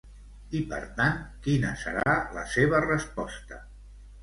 I, per tant, quina serà la seva resposta?